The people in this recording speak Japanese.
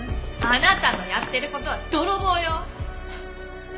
あなたのやってる事は泥棒よ！